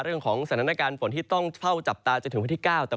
เรื่องของสถานการณ์ฝนที่ต้องเฝ้าจับตาจนถึงวันที่๙